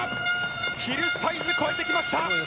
ヒルサイズ越えてきました！